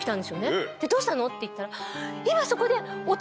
どうしたの？って言ったら。